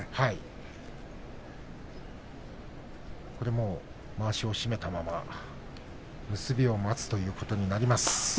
これはもう、まわしを締めたまま結びを待つということになります。